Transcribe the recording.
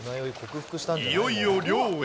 いよいよ漁へ。